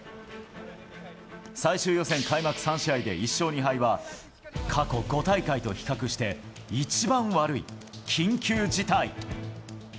最終予選開幕３試合で１勝２敗は過去５大会と比較して一番悪い緊急事態。